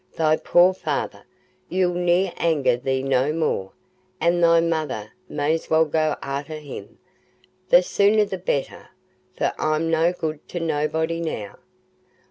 Thy poor feyther 'ull ne'er anger thee no more; an' thy mother may's well go arter him—the sooner the better—for I'm no good to nobody now.